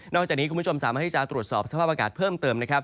จากนี้คุณผู้ชมสามารถที่จะตรวจสอบสภาพอากาศเพิ่มเติมนะครับ